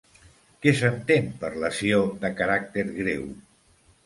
Què s'entén per lesió de caràcter greu?